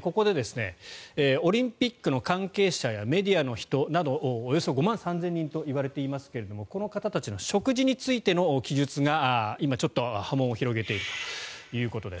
ここでオリンピックの関係者やメディアの人などおよそ５万３０００人といわれていますがこの方たちの食事についての記述が今、ちょっと波紋を広げているということです。